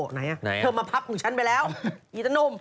ไหนอ่ะเธอมาพักของฉันไปแล้วนี่ต้านุ่ม